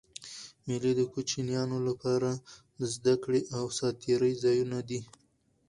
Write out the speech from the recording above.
مېلې د کوچنيانو له پاره د زدهکړي او ساتېري ځایونه دي.